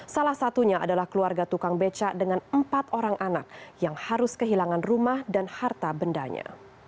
salah satunya adalah keluarga tukang beca dengan empat orang anak yang harus kehilangan rumah dan harta bendanya